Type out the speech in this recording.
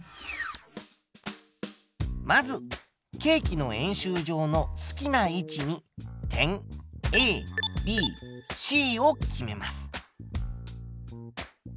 まずケーキの円周上の好きな位置に点ＡＢＣを決めます。